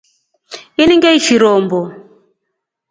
Ini ngeishi rombo.